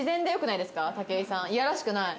いやらしくない。